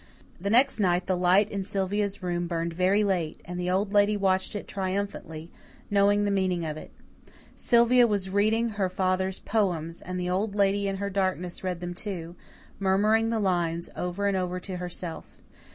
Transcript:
The next night the light in Sylvia's room burned very late, and the Old Lady watched it triumphantly, knowing the meaning of it. Sylvia was reading her father's poems, and the Old Lady in her darkness read them too, murmuring the lines over and over to herself.